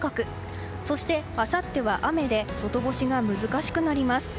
そして、あさっては雨で外干しが難しくなります。